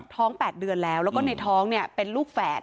ท้อง๘เดือนแล้วแล้วก็ในท้องเป็นลูกแฝด